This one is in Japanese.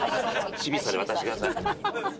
清水さんに渡してください。